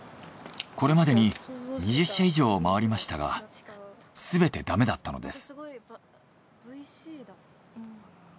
これまでに２０社以上を回りましたがすべてダメだったのです。